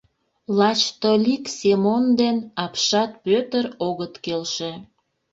Лач Толик Семон ден Апшат Пӧтыр огыт келше.